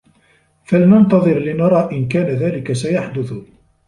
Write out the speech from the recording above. فلننتظر لنرى إن كان ذلك سيحدث.